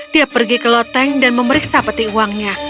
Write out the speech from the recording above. dia pergi ke loteng dan memeriksa peti uangnya